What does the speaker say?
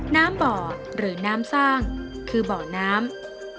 น้ำบ่อหรือน้ำสร้างคือบ่อน้ำ